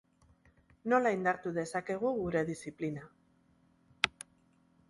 Nola indartu dezakegu gure disziplina?